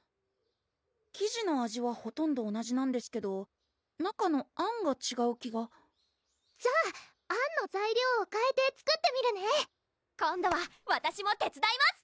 生地の味はほとんど同じなんですけど中のあんがちがう気がじゃああんの材料をかえて作ってみるね今度はわたしも手伝います！